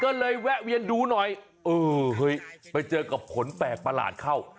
ก็เลยแวะเวียนดูหน่อยเออเฮ้ยไปเจอกับผลแปลกประหลาดเข้า